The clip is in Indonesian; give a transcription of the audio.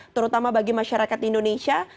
terutama bagi masyarakat indonesia